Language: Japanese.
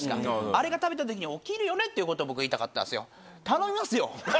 あれが食べた時に起きるよねっていうことを僕言いたかったんですよ。